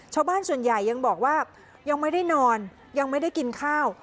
ชาวบ้านส่วนใหญ่ยังบอกว่ายังไม่ได้นอนยังไม่ได้กินข้าว